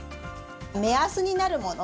目安になるもの